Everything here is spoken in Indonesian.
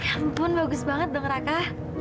ampun bagus banget dong raka